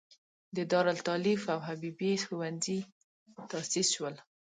د دارالتالیف او حبیبې ښوونځی تاسیس شول.